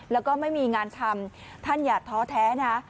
แล้วก็ไม่มีงานทำท่านอย่าท้อแท้นะ